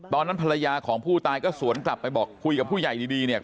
ตอนนั้นภรรยาของผู้ตายก็สวนกลับไปบอกคุยกับผู้ใหญ่ดีเนี่ย